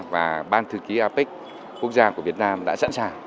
và ban thư ký apec quốc gia của việt nam đã sẵn sàng